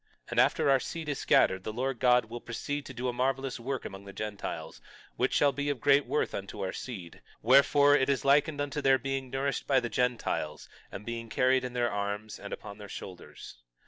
22:8 And after our seed is scattered the Lord God will proceed to do a marvelous work among the Gentiles, which shall be of great worth unto our seed; wherefore, it is likened unto their being nourished by the Gentiles and being carried in their arms and upon their shoulders.